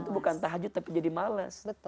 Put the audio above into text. itu bukan tahajud tapi jadi males